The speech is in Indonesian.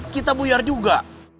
kita buyar juga